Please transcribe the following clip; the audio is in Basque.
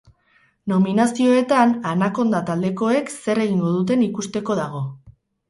Nominazioetan anaconda taldekoek zer egingo duten ikusteko dago.